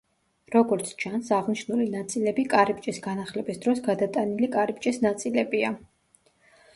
როგორც ჩანს, აღნიშნული ნაწილები კარიბჭის განახლების დროს გადატანილი კარიბჭის ნაწილებია.